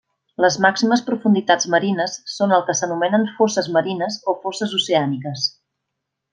Les màximes profunditats marines són el que s'anomenen fosses marines o fosses oceàniques.